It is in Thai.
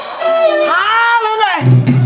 ท้าเหรอไง